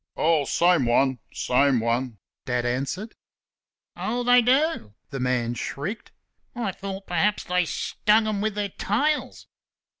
"Oh, same one, same one!" Dad answered. "Oh, they do!" the man shrieked. "I thought perhaps they stung them with their tails!"